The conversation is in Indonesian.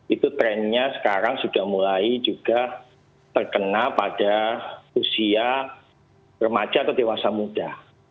itu trennya sekarang sudah mulai juga terkena pada usia remaja atau dewasa muda